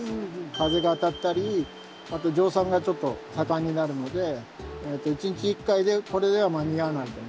風が当たったりあと蒸散がちょっと盛んになるので１日１回でこれでは間に合わない。